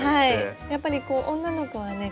やっぱり女の子はね